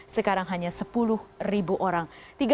sekarang hanya sepuluh orang